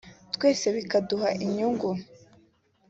twese bikaduha inyungu”